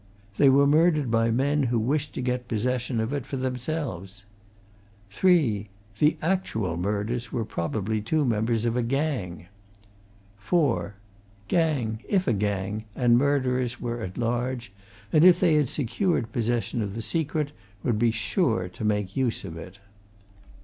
They were murdered by men who wished to get possession of it for themselves. 3. The actual murderers were probably two members of a gang. 4. Gang if a gang and murderers were at large, and, if they had secured possession of the secret would be sure to make use of it.